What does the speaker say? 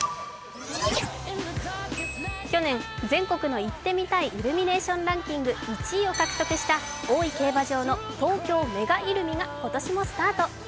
去年、全国の行ってみたいイルミネーションランキングの１位を獲得した大井競馬場の東京メガイルミが今年もスタート。